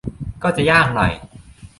ก็จะยากหน่อย